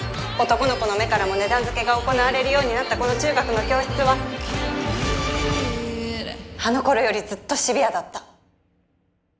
男の子の目からも値段付けが行われるようになったこの中学の教室はあの頃よりずっとシビアだった。